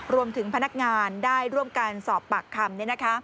รวมถึงพนักงานได้ร่วมการสอบปากคำ